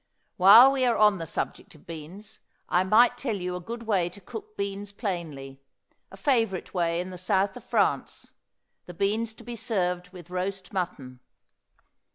While we are on the subject of beans I might tell you a good way to cook beans plainly, a favorite way in the south of France, the beans to be served with roast mutton.